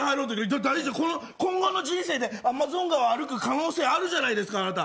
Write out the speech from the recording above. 今後の人生でアマゾン川歩く可能性あるじゃないですか、あなた。